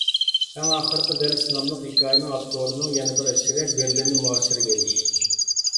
«ئەڭ ئاخىرقى دەرس» ناملىق ھېكايىنىڭ ئاپتورىنىڭ يەنە بىر ئەسىرى — «بېرلىننى مۇھاسىرىگە ئېلىش».